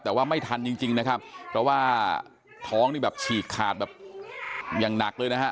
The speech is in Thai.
แต่ว่าไม่ทันจริงจริงนะครับเพราะว่าท้องนี่แบบฉีกขาดแบบอย่างหนักเลยนะฮะ